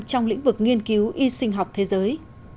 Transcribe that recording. trong lĩnh vực nghiên cứu y sinh học thế giới